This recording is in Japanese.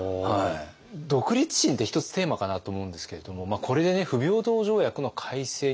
独立心って一つテーマかなと思うんですけれどもこれでね不平等条約の改正に取り組んだ。